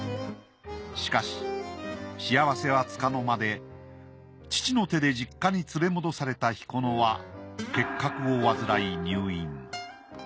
しかし幸せは束の間で父の手で実家に連れ戻された彦乃は結核を患い入院。